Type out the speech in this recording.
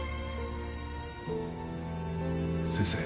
先生